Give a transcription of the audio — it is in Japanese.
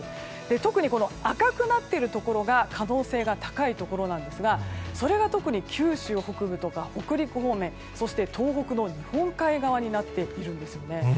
特に赤くなっているところが可能性が高いところですがそれが、特に九州北部とか北陸方面そして東北の日本海側になっているんですね。